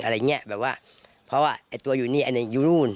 อะไรอย่างเงี้ยแบบว่าเพราะว่าไอ้ตัวอยู่นี่อันนี้อยู่นู่น